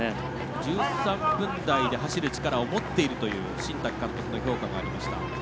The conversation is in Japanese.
１３分台で走る力を持っているという新宅監督の評価ありました。